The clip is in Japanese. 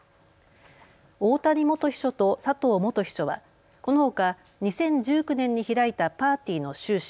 大谷元秘書と佐藤元秘書はこのほか２０１９年に開いたパーティーの収支